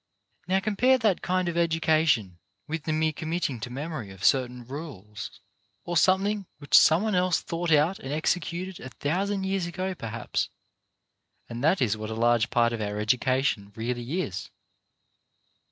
Now compare that kind of education with the mere committing to memory of certain rules, or something which some one else thought out and executed a thousand years ago perhaps — and that is what a large part of our education really is.